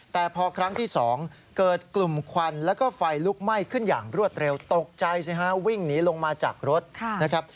แต่พอครั้งที่๒เกิดกลุ่มควันแล้วก็ไฟลุกไหม้ขึ้นอย่างรวดเร็วตกใจสิฮะวิ่งหนีลงมาจากรถนะครับ